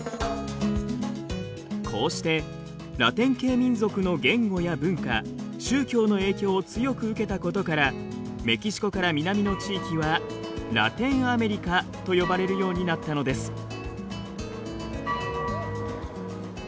こうしてラテン系民族の言語や文化宗教の影響を強く受けたことからメキシコから南の地域はラテンアメリカと呼ばれるようになったのです。